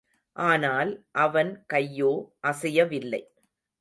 ஆனால், அவன் கையோ அசையவில்லை.